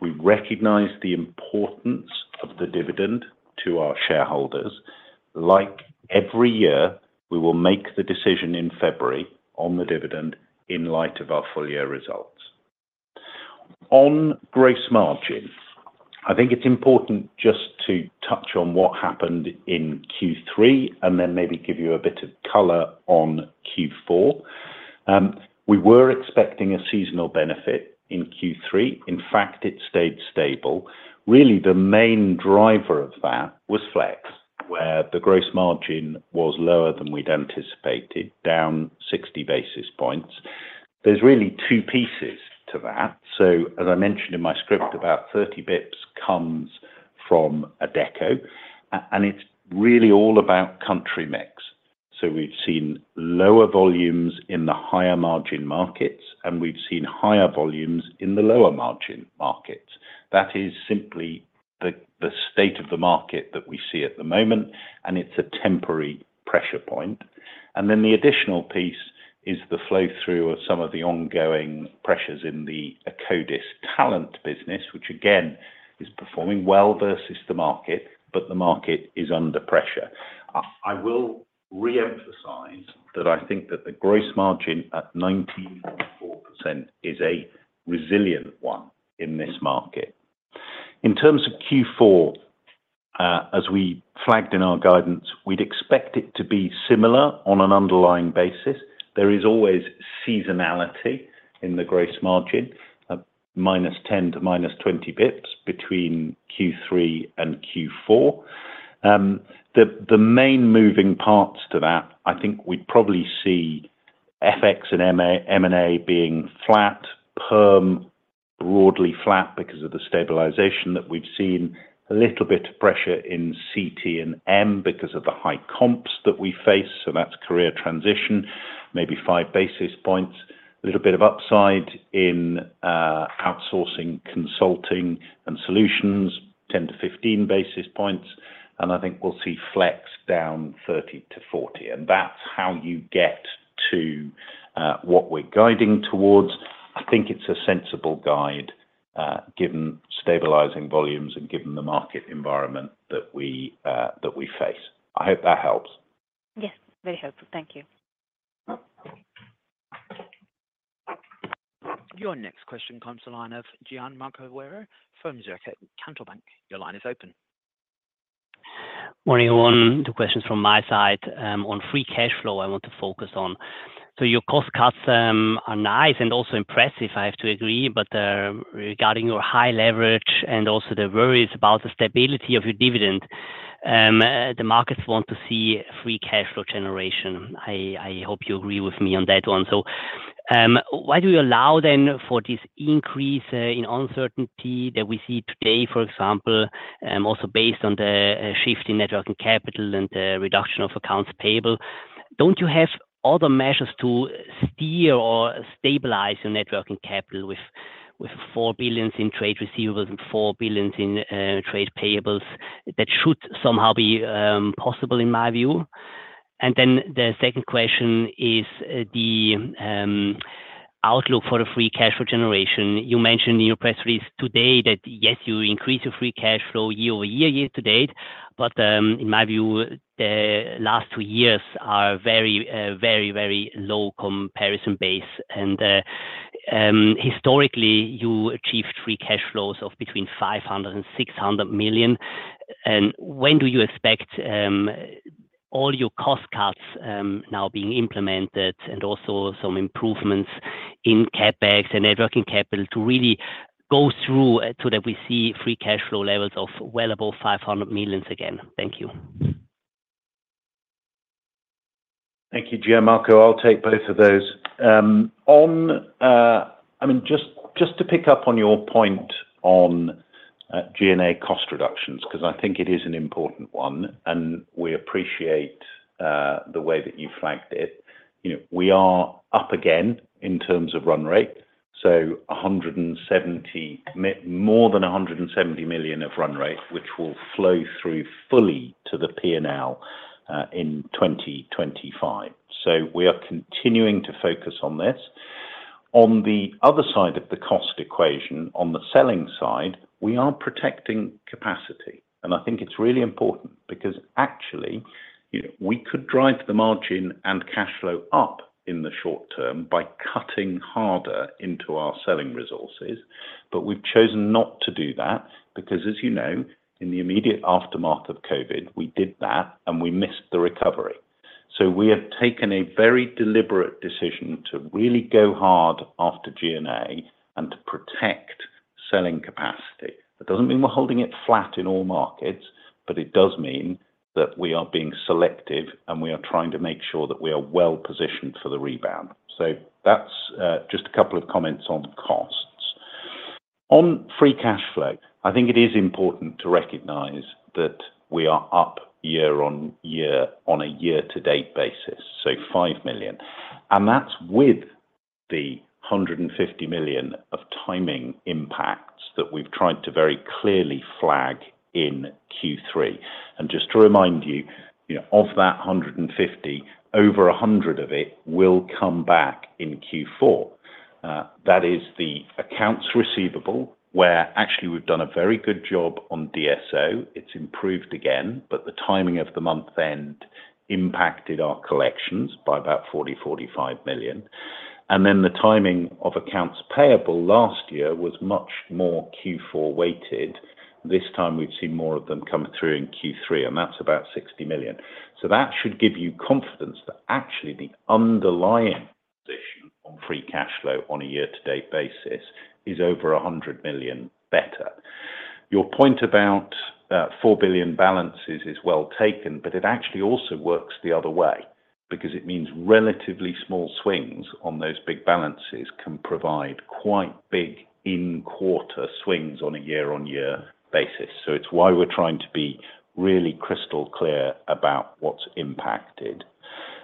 We recognize the importance of the dividend to our shareholders. Like every year, we will make the decision in February on the dividend in light of our full year results. On gross margin, I think it's important just to touch on what happened in Q3 and then maybe give you a bit of color on Q4. We were expecting a seasonal benefit in Q3. In fact, it stayed stable. Really, the main driver of that was Flex, where the gross margin was lower than we'd anticipated, down 60 basis points. There's really two pieces to that. So as I mentioned in my script, about 30 basis points comes from Adecco. And it's really all about country mix. So we've seen lower volumes in the higher margin markets, and we've seen higher volumes in the lower margin markets. That is simply the state of the market that we see at the moment, and it's a temporary pressure point. And then the additional piece is the flow through of some of the ongoing pressures in the Akkodis talent business, which again is performing well versus the market, but the market is under pressure. I will re-emphasize that I think that the gross margin at 19.4% is a resilient one in this market. In terms of Q4, as we flagged in our guidance, we'd expect it to be similar on an underlying basis. There is always seasonality in the gross margin, -10 to -20 basis points between Q3 and Q4. The main moving parts to that, I think we'd probably see FX and M&A being flat, PERM broadly flat because of the stabilization that we've seen, a little bit of pressure in CT and M because of the high comps that we face. So that's career transition, maybe five basis points, a little bit of upside in outsourcing, consulting, and solutions, 10-15 basis points. And I think we'll see Flex down 30-40. And that's how you get to what we're guiding towards. I think it's a sensible guide given stabilizing volumes and given the market environment that we face. I hope that helps. Yes, very helpful. Thank you. Your next question from Gian Marco Werro from Zurich Cantonal Bank. Your line is open. Morning, everyone. Two questions from my side. On free cash flow, I want to focus on. Your cost cuts are nice and also impressive. I have to agree. But regarding your high leverage and also the worries about the stability of your dividend, the markets want to see free cash flow generation. I hope you agree with me on that one. So why do you allow then for this increase in uncertainty that we see today, for example, also based on the shift in working capital and the reduction of accounts payable? Don't you have other measures to steer or stabilize your working capital with 4 billion in trade receivables and 4 billion in trade payables? That should somehow be possible, in my view. And then the second question is the outlook for the free cash flow generation. You mentioned in your press release today that, yes, you increase your free cash flow year over year year to date. But in my view, the last two years are very, very, very low comparison base. And historically, you achieved free cash flows of between 500 and 600 million. And when do you expect all your cost cuts now being implemented and also some improvements in CapEx and working capital to really go through so that we see free cash flow levels of well above 500 million again? Thank you. Thank you, Gian Marco. I'll take both of those. I mean, just to pick up on your point on G&A cost reductions, because I think it is an important one, and we appreciate the way that you flagged it. We are up again in terms of run rate, so more than 170 million of run rate, which will flow through fully to the P&L in 2025. So we are continuing to focus on this. On the other side of the cost equation, on the selling side, we are protecting capacity, and I think it's really important because actually, we could drive the margin and cash flow up in the short term by cutting harder into our selling resources, but we've chosen not to do that because, as you know, in the immediate aftermath of COVID, we did that and we missed the recovery, so we have taken a very deliberate decision to really go hard after G&A and to protect selling capacity. That doesn't mean we're holding it flat in all markets, but it does mean that we are being selective and we are trying to make sure that we are well positioned for the rebound, so that's just a couple of comments on costs. On free cash flow, I think it is important to recognize that we are up year on year on a year-to-date basis, so 5 million. And that's with the 150 million of timing impacts that we've tried to very clearly flag in Q3. And just to remind you, of that 150, over 100 of it will come back in Q4. That is the accounts receivable, where actually we've done a very good job on DSO. It's improved again, but the timing of the month-end impacted our collections by about 40-45 million. And then the timing of accounts payable last year was much more Q4 weighted. This time, we've seen more of them come through in Q3, and that's about 60 million. So that should give you confidence that actually the underlying position on free cash flow on a year-to-date basis is over 100 million better. Your point about €4 billion balances is well taken, but it actually also works the other way because it means relatively small swings on those big balances can provide quite big in-quarter swings on a year-on-year basis. So it's why we're trying to be really crystal clear about what's impacted.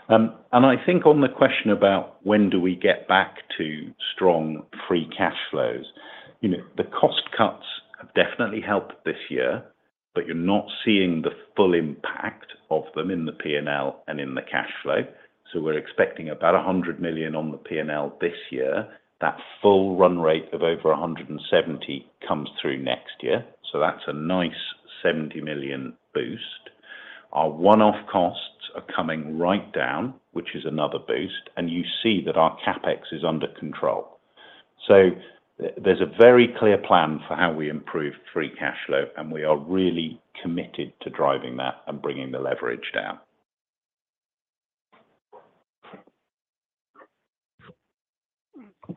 And I think on the question about when do we get back to strong free cash flows, the cost cuts have definitely helped this year, but you're not seeing the full impact of them in the P&L and in the cash flow. So we're expecting about €100 million on the P&L this year. That full run rate of over €170 million comes through next year. So that's a nice €70 million boost. Our one-off costs are coming right down, which is another boost. And you see that our CapEx is under control. So there's a very clear plan for how we improve free cash flow, and we are really committed to driving that and bringing the leverage down.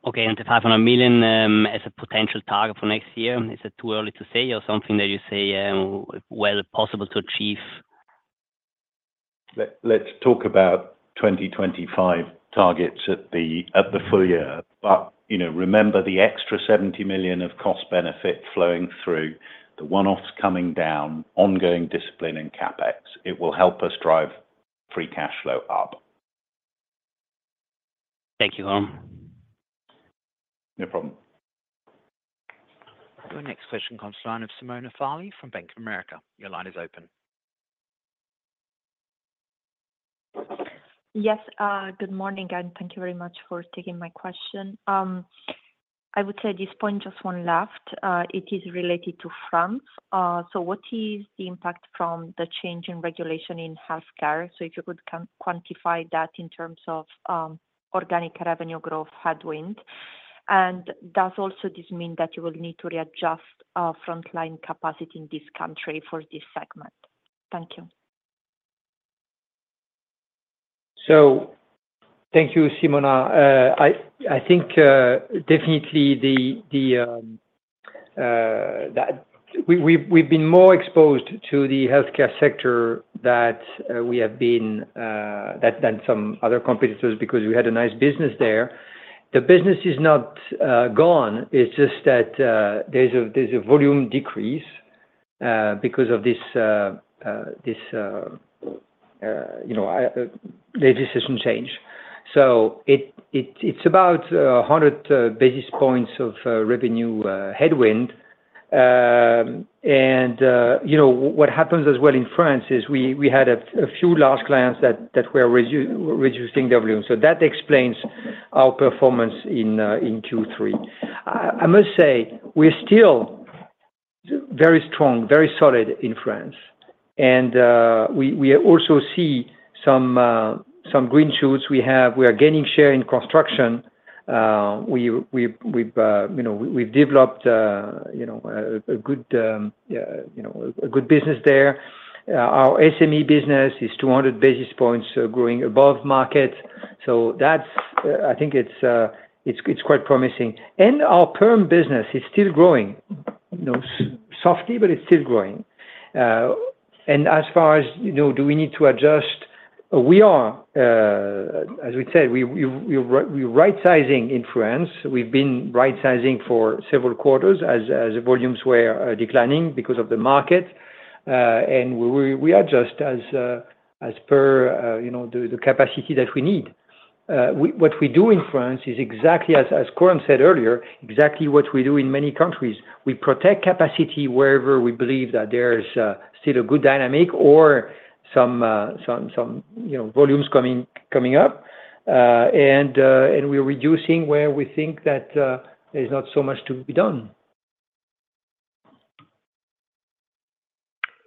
Okay. And 500 million as a potential target for next year, is it too early to say or something that you say, well, possible to achieve? Let's talk about 2025 targets at the full year. But remember the extra 70 million of cost benefit flowing through, the one-offs coming down, ongoing discipline in CapEx. It will help us drive free cash flow up. Thank you, Coram. No problem. Your next question from Simona Sarli from Bank of America. Your line is open. Yes. Good morning, and thank you very much for taking my question. I would say at this point, just one left. It is related to France. So what is the impact from the change in regulation in healthcare? So if you could quantify that in terms of organic revenue growth headwind? And does also this mean that you will need to readjust frontline capacity in this country for this segment? Thank you. So thank you, Simona. I think definitely we've been more exposed to the healthcare sector that we have been than some other competitors because we had a nice business there. The business is not gone. It's just that there's a volume decrease because of this legislation change. So it's about 100 basis points of revenue headwind. And what happens as well in France is we had a few large clients that were reducing their volume. So that explains our performance in Q3. I must say we're still very strong, very solid in France. And we also see some green shoots. We are gaining share in construction. We've developed a good business there. Our SME business is 200 basis points growing above market. So I think it's quite promising. And our PERM business is still growing. Softly, but it's still growing. And as far as do we need to adjust? We are, as we said, we're right-sizing in France. We've been right-sizing for several quarters as the volumes were declining because of the market. And we adjust as per the capacity that we need. What we do in France is exactly as Coram said earlier, exactly what we do in many countries. We protect capacity wherever we believe that there's still a good dynamic or some volumes coming up. And we're reducing where we think that there's not so much to be done.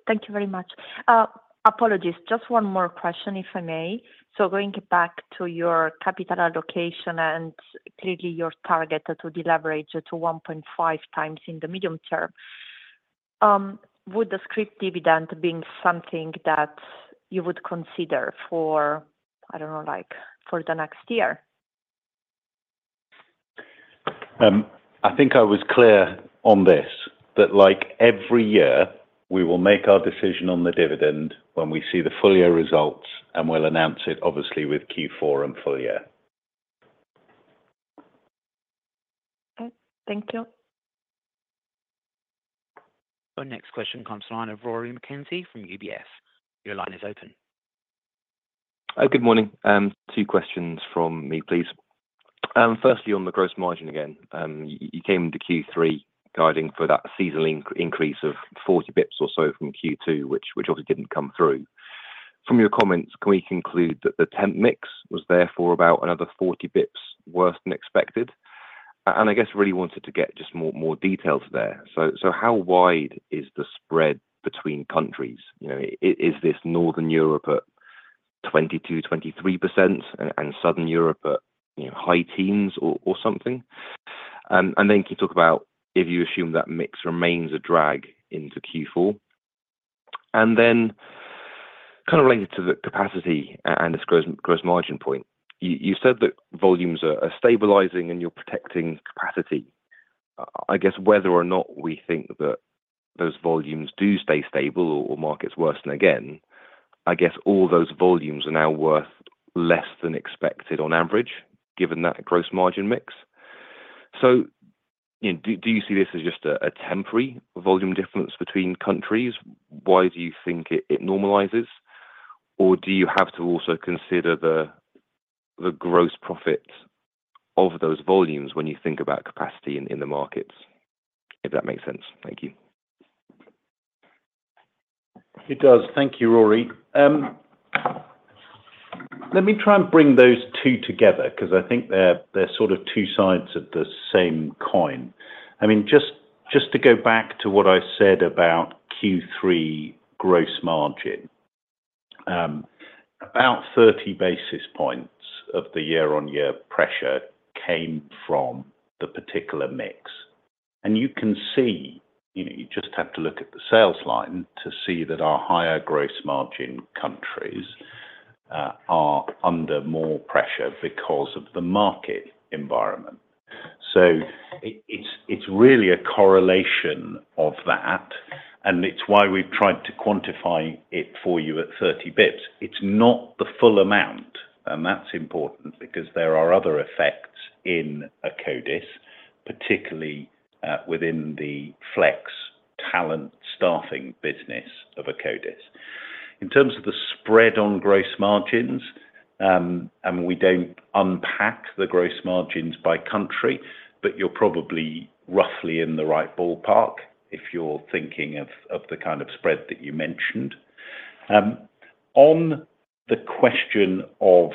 Thank you very much. Apologies. Just one more question, if I may. So going back to your capital allocation and clearly your target to deleverage to 1.5 times in the medium term, would the scrip dividend being something that you would consider for, I don't know, for the next year? I think I was clear on this, that every year we will make our decision on the dividend when we see the full year results, and we'll announce it, obviously, with Q4 and full year. Okay. Thank you. Your next question from Rory McKenzie from UBS. Your line is open. Good morning. Two questions from me, please. Firstly, on the gross margin again, you came into Q3 guiding for that seasonal increase of 40 basis points or so from Q2, which obviously didn't come through. From your comments, can we conclude that the temp mix was there for about another 40 basis points worse than expected? I guess I really wanted to get just more details there. So how wide is the spread between countries? Is this Northern Europe at 22-23% and Southern Europe at high teens or something? And then can you talk about if you assume that mix remains a drag into Q4? And then kind of related to the capacity and this gross margin point, you said that volumes are stabilizing and you're protecting capacity. I guess whether or not we think that those volumes do stay stable or markets worsen again, I guess all those volumes are now worth less than expected on average, given that gross margin mix. So do you see this as just a temporary volume difference between countries? Why do you think it normalizes? Or do you have to also consider the gross profit of those volumes when you think about capacity in the markets, if that makes sense? Thank you. It does. Thank you, Rory. Let me try and bring those two together because I think they're sort of two sides of the same coin. I mean, just to go back to what I said about Q3 gross margin, about 30 basis points of the year-on-year pressure came from the particular mix. And you can see you just have to look at the sales line to see that our higher gross margin countries are under more pressure because of the market environment. So it's really a correlation of that. And it's why we've tried to quantify it for you at 30 basis points. It's not the full amount. That's important because there are other effects in Akkodis, particularly within the flex talent staffing business of Akkodis. In terms of the spread on gross margins, and we don't unpack the gross margins by country, but you're probably roughly in the right ballpark if you're thinking of the kind of spread that you mentioned. On the question of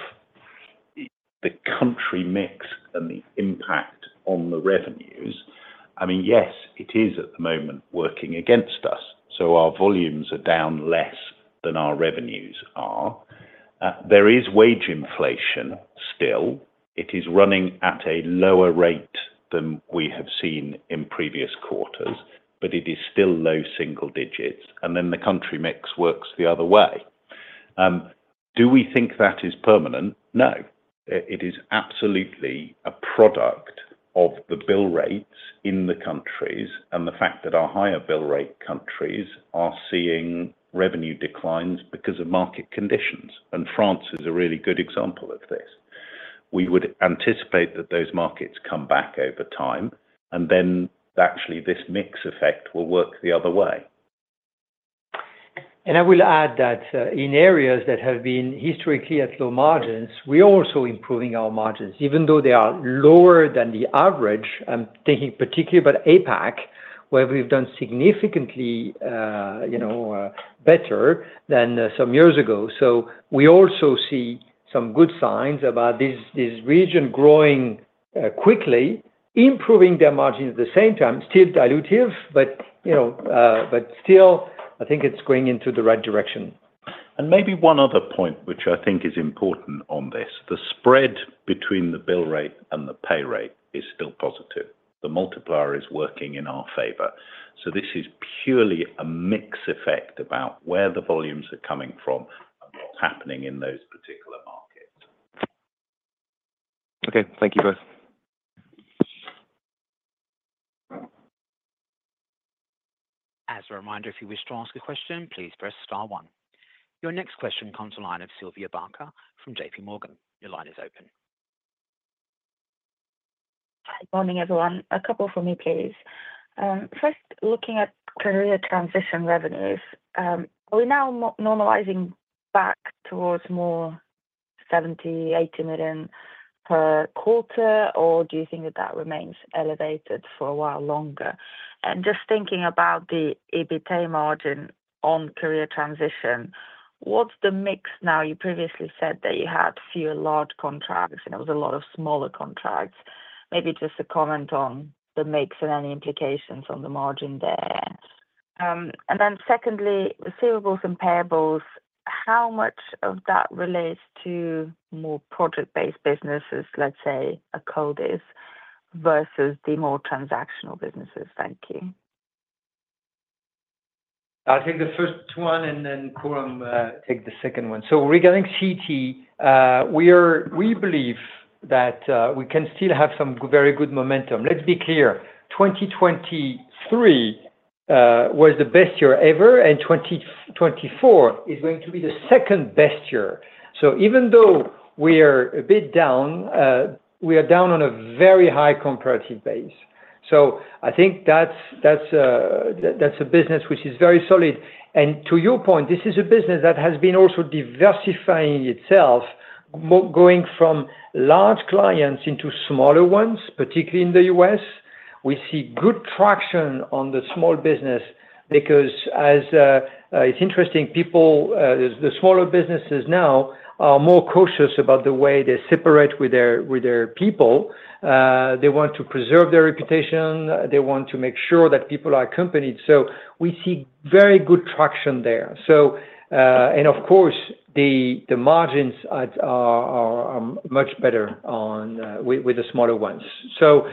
the country mix and the impact on the revenues, I mean, yes, it is at the moment working against us. Our volumes are down less than our revenues are. There is wage inflation still. It is running at a lower rate than we have seen in previous quarters, but it is still low single digits. The country mix works the other way. Do we think that is permanent? No. It is absolutely a product of the bill rates in the countries and the fact that our higher bill rate countries are seeing revenue declines because of market conditions. And France is a really good example of this. We would anticipate that those markets come back over time, and then actually this mix effect will work the other way. And I will add that in areas that have been historically at low margins, we are also improving our margins. Even though they are lower than the average, I'm thinking particularly about APAC, where we've done significantly better than some years ago. So we also see some good signs about this region growing quickly, improving their margins at the same time, still dilutive, but still, I think it's going into the right direction. And maybe one other point, which I think is important on this. The spread between the bill rate and the pay rate is still positive. The multiplier is working in our favor. So this is purely a mix effect about where the volumes are coming from and what's happening in those particular markets. Okay. Thank you both. As a reminder, if you wish to ask a question, please press star one. Your next question from Sylvia Barker from J.P. Morgan. Your line is open. Good morning, everyone. A couple for me, please. First, looking at career transition revenues, are we now normalizing back towards more 70-80 million per quarter, or do you think that that remains elevated for a while longer? And just thinking about the EBITDA margin on career transition, what's the mix now? You previously said that you had fewer large contracts, and it was a lot of smaller contracts. Maybe just a comment on the mix and any implications on the margin there. And then secondly, receivables and payables, how much of that relates to more project-based businesses, let's say Akkodis, versus the more transactional businesses? Thank you. I'll take the first one, and then Coram will take the second one, so regarding CT, we believe that we can still have some very good momentum. Let's be clear. 2023 was the best year ever, and 2024 is going to be the second best year. So even though we are a bit down, we are down on a very high comparative base. So I think that's a business which is very solid. And to your point, this is a business that has been also diversifying itself, going from large clients into smaller ones, particularly in the US. We see good traction on the small business because, as it's interesting, the smaller businesses now are more cautious about the way they separate with their people. They want to preserve their reputation. They want to make sure that people are accompanied. So we see very good traction there. And of course, the margins are much better with the smaller ones. So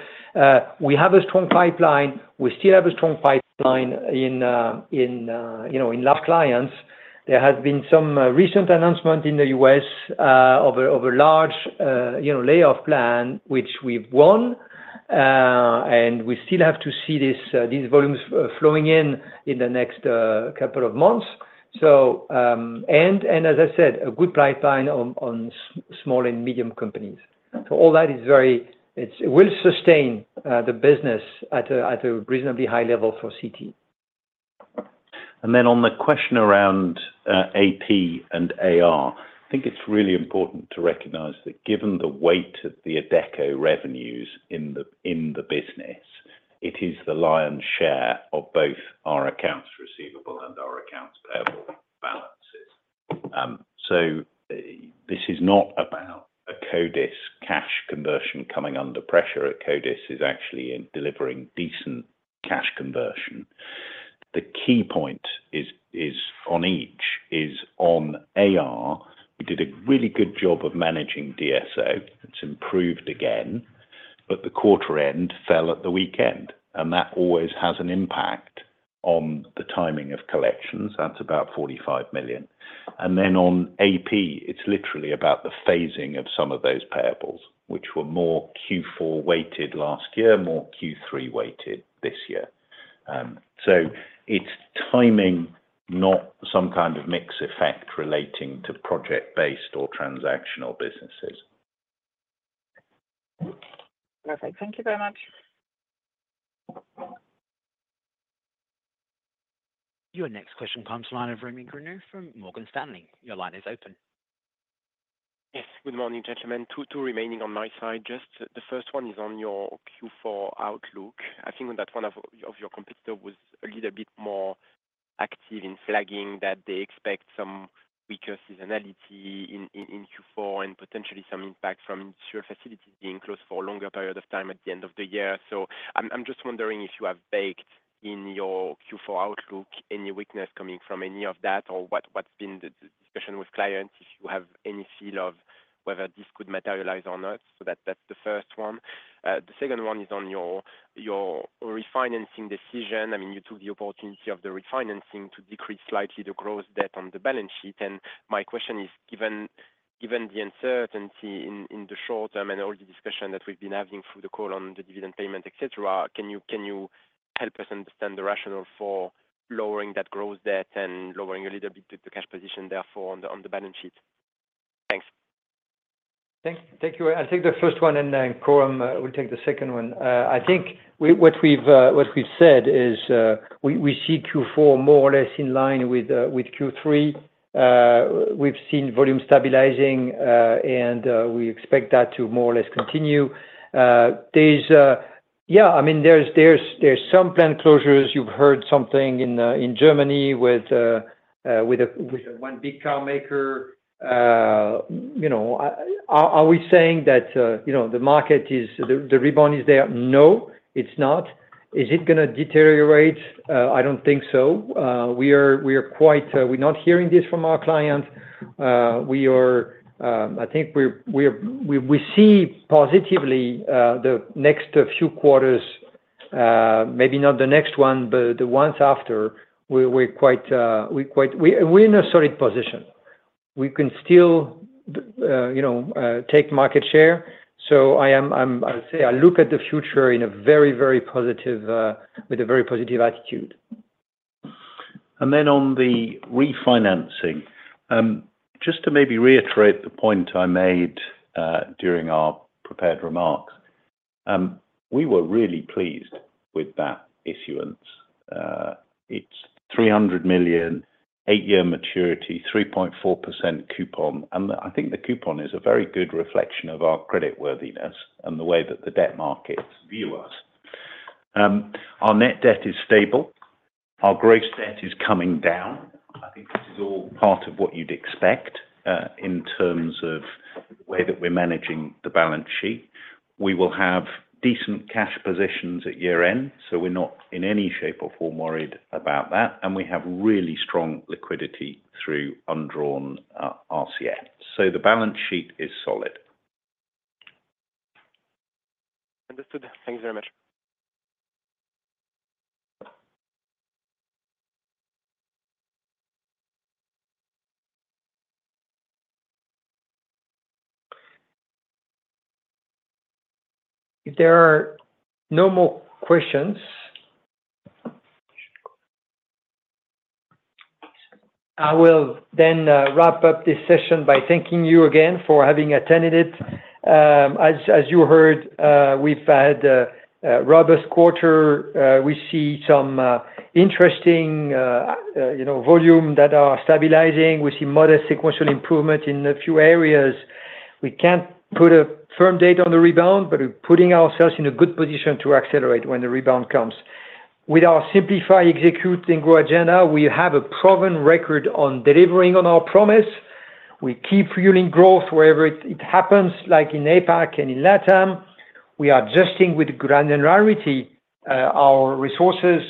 we have a strong pipeline. We still have a strong pipeline in large clients. There has been some recent announcement in the U.S. of a large layoff plan, which we've won. And we still have to see these volumes flowing in in the next couple of months. And as I said, a good pipeline on small and medium companies. So all that is very it will sustain the business at a reasonably high level for CT. Then on the question around AP and AR, I think it's really important to recognize that given the weight of the Adecco revenues in the business, it is the lion's share of both our accounts receivable and our accounts payable balances. So this is not about Akkodis cash conversion coming under pressure. Akkodis is actually delivering decent cash conversion. The key point on each is on AR. We did a really good job of managing DSO. It's improved again, but the quarter-end fell at the weekend. And that always has an impact on the timing of collections. That's about 45 million. And then on AP, it's literally about the phasing of some of those payables, which were more Q4-weighted last year, more Q3-weighted this year. So it's timing, not some kind of mix effect relating to project-based or transactional businesses. Perfect. Thank you very much. Your next question comes from Rémy Grenouilleau from Morgan Stanley. Your line is open. Yes. Good morning, gentlemen. Two remaining on my side. Just the first one is on your Q4 outlook. I think that one of your competitors was a little bit more active in flagging that they expect some weaker seasonality in Q4 and potentially some impact from industrial facilities being closed for a longer period of time at the end of the year. So I'm just wondering if you have baked in your Q4 outlook any weakness coming from any of that, or what's been the discussion with clients, if you have any feel of whether this could materialize or not. So that's the first one. The second one is on your refinancing decision. I mean, you took the opportunity of the refinancing to decrease slightly the gross debt on the balance sheet. And my question is, given the uncertainty in the short term and all the discussion that we've been having through the call on the dividend payment, etc., can you help us understand the rationale for lowering that gross debt and lowering a little bit the cash position therefore on the balance sheet? Thanks. Thank you. I'll take the first one, and then Coram will take the second one. I think what we've said is we see Q4 more or less in line with Q3. We've seen volume stabilizing, and we expect that to more or less continue. Yeah. I mean, there's some planned closures. You've heard something in Germany with one big car maker. Are we saying that the market is the rebound is there? No, it's not. Is it going to deteriorate? I don't think so. We are quite we're not hearing this from our clients. I think we see positively the next few quarters, maybe not the next one, but the ones after. We're quite in a solid position. We can still take market share. So I say I look at the future with a very positive attitude. And then on the refinancing, just to maybe reiterate the point I made during our prepared remarks, we were really pleased with that issuance. It's 300 million, eight-year maturity, 3.4% coupon. And I think the coupon is a very good reflection of our creditworthiness and the way that the debt markets view us. Our net debt is stable. Our gross debt is coming down. I think this is all part of what you'd expect in terms of the way that we're managing the balance sheet. We will have decent cash positions at year-end, so we're not in any shape or form worried about that. And we have really strong liquidity through undrawn RCF. So the balance sheet is solid. Understood. Thanks very much. If there are no more questions, I will then wrap up this session by thanking you again for having attended it. As you heard, we've had a robust quarter. We see some interesting volume that are stabilizing. We see modest sequential improvement in a few areas. We can't put a firm date on the rebound, but we're putting ourselves in a good position to accelerate when the rebound comes. With our Simplify, Execute, and Grow agenda, we have a proven record on delivering on our promise. We keep fueling growth wherever it happens, like in APAC and in LATAM. We are adjusting with granularity our resources.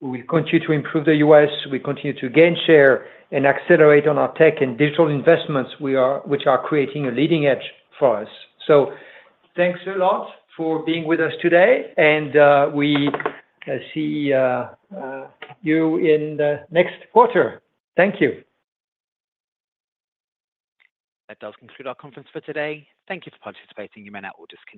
We will continue to improve the US. We continue to gain share and accelerate on our tech and digital investments, which are creating a leading edge for us. So thanks a lot for being with us today. And we see you in the next quarter. Thank you. That does conclude our conference for today. Thank you for participating. You may now all disconnect.